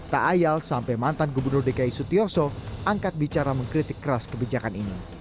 tak ayal sampai mantan gubernur dki sutioso angkat bicara mengkritik keras kebijakan ini